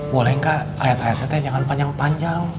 bolehkah ayat ayatnya jangan panjang panjang